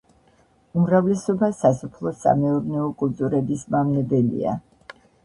უმრავლესობა სასოფლო-სამეურნეო კულტურების მავნებელია.